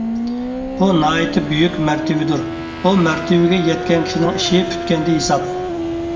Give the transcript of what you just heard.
بۇ ناھايىتى بۈيۈك مەرتىۋىدۇر. بۇ مەرتىۋىگە يەتكەن كىشىنىڭ ئىشى پۈتكەندە ھېساب.